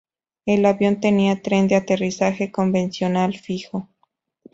El avión tenía tren de aterrizaje convencional fijo.